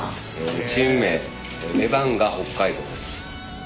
チーム名レバンガ北海道です。